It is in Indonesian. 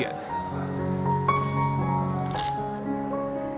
dan juga menggunakan alat penyelidikan